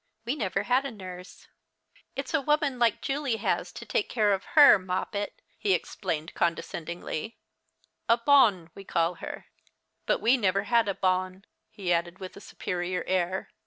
" We never had a nurse. It's a woman like Julie has to take care of 110 The Christmas Hirelings. her, Moi^pet," he explained condescendingly—" a honne we call her. But we've never had a tonne" he added with a superior air.